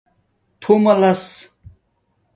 تھُوملس